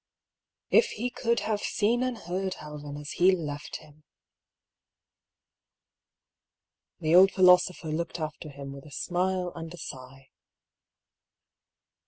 If he could have seen and heard Helven as he left him! The old philosopher looked after him with a smile and a sigh.